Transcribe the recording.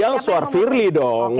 ya suar firli dong